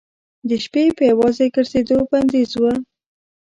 د شپې په یوازې ګرځېدو بندیز و.